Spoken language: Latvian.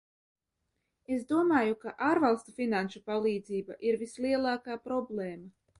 Es domāju, ka ārvalstu finanšu palīdzība ir vislielākā problēma.